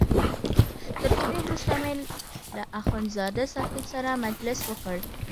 تر ډوډۍ وروسته مې له اخندزاده صاحب سره مجلس وکړ.